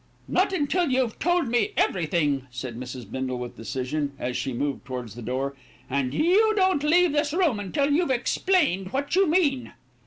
"Not until you've told me everything," said Mrs. Bindle, with decision, as she moved towards the door, "and you don't leave this room until you've explained what you mean."